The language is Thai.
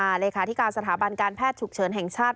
เลขาธิการสถาบันการแพทย์ฉุกเฉินแห่งชาติ